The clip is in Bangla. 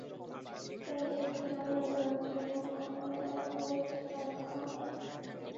এই সেতু যেমন উভয়ের যোগ রক্ষা করে তেমনি উভয়ের সীমারক্ষাও করে।